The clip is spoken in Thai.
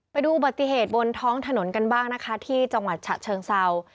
ไปดูอุบัติเหตุบนท้องถนนกันบ้างนะคะที่จังหวัดฉะเชิงเศร้า